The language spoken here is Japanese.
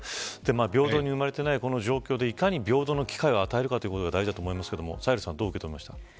平等に生まれていないこの状況でいかに平等の機会を与えるかが大事だと思いますけどサヘルさんはどう受け止めましたか。